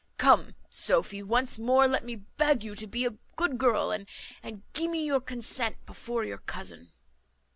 Come, Sophy, once more let me beg you to be a good girl, and gee me your consent before your cousin."